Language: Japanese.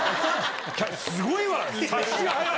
すごいわ。